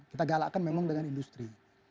kita galakkan memang dengan industri